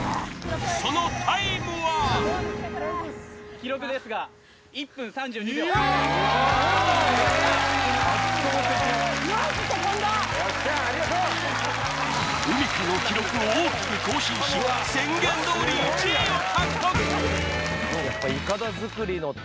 記録ですが１分３２秒よっしゃありがとう海荷の記録を大きく更新し宣言どおり１位を獲得そうだな